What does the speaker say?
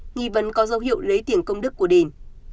nghi vấn có dấu hiệu lấy tiền công đức của điền